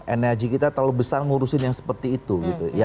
energi kita terlalu besar ngurusin yang seperti itu